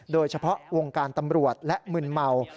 โดยเฉพาะวงการตำรวจและมึนเมา